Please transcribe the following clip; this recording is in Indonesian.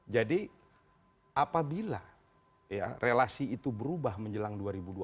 jadi apabila ya relasi itu berubah menjelang dua ribu dua puluh empat